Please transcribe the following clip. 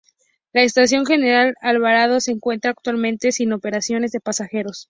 La Estación General Alvarado se encuentra actualmente sin operaciones de pasajeros.